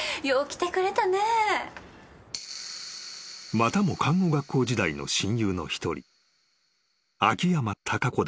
［またも看護学校時代の親友の一人秋山貴子だった］